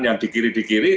yang di kiri kiri